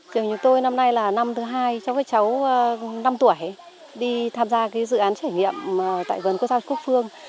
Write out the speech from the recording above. trường chúng tôi năm nay là năm thứ hai cho các cháu năm tuổi đi tham gia dự án trải nghiệm tại vườn quốc gia cúc phương